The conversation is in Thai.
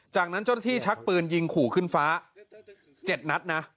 จากนั้นเจ้าหน้าที่ชักปืนยิงขู่ขึ้นฟ้า๗นัดนะ